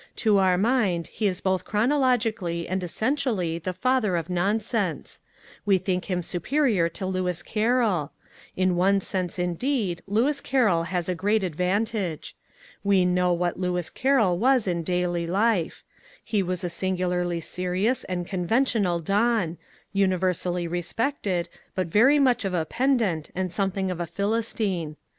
To our mind he is both chronologically and essentially the father of nonsense; we think him superior to Lewis Carroll. In one sense, indeed, Lewis Carroll has a great advantage. We know what Lewis Carroll was in daily life: he was a singularly serious and conventional don, universally respected, but very much . of a pedant and something of a Philistine.